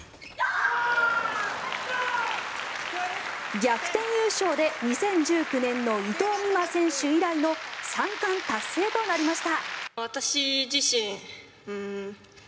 逆転優勝で２０１９年の伊藤美誠選手以来の３冠達成となりました。